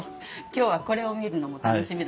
今日はこれを見るのも楽しみだったんです。